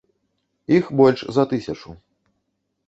Іх больш за тысячу.